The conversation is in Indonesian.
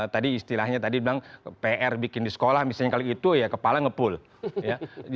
tadi istilahnya tadi bilang pr bikin di sekolah misalnya kali itu ya kepala ngepul ya